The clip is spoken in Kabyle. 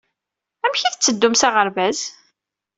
Amek ay tetteddum s aɣerbaz?